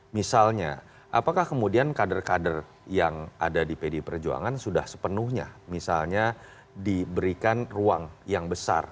misalnya apakah kemudian kader kader yang ada di pdi perjuangan sudah sepenuhnya misalnya diberikan ruang yang besar